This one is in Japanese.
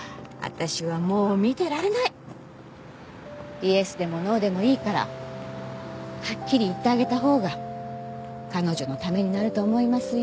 イエスでもノーでもいいからはっきり言ってあげたほうが彼女のためになると思いますよ